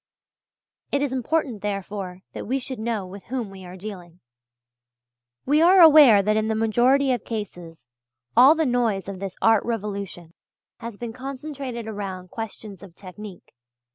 It is important, therefore, that we should know with whom we are dealing. We are aware that in the majority of cases all the noise of this art revolution has been concentrated around questions of technique.